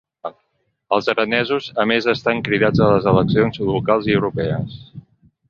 Els aranesos a més estan cridats a les eleccions locals i europees.